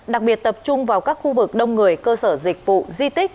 đặc biệt tập trung vào các khu vực đông người cơ sở dịch vụ di tích